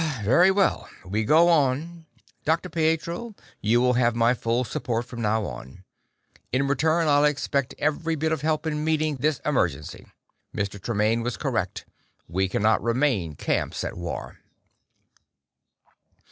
"Very well, we go on. Dr. Pietro, you will have my full support from now on. In return, I'll expect every bit of help in meeting this emergency. Mr. Tremaine was correct; we cannot remain camps at war."